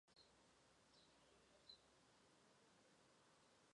这些报道被视为张已被调查的信号。